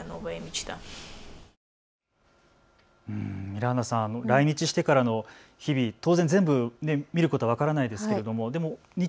ミラーナさん、来日してからの日々、当然全部見ること、分からないですけども